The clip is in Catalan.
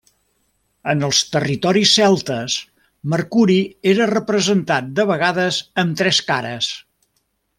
En els territoris celtes, Mercuri era representat de vegades amb tres cares.